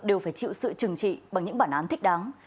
đều phải chịu sự trừng trị bằng những bản án thích đáng